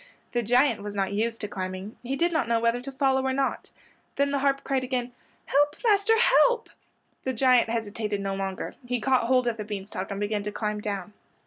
The giant was not used to climbing. He did not know whether to follow or not. Then the harp cried again, "Help, master, help!" The giant hesitated no longer. He caught hold of the bean stalk and began to climb down.